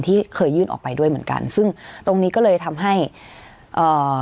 ที่เคยยื่นออกไปด้วยเหมือนกันซึ่งตรงนี้ก็เลยทำให้เอ่อ